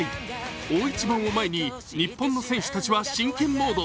大一番を前に日本の選手たちは真剣モード。